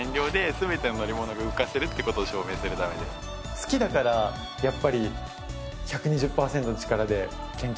好きだからやっぱり。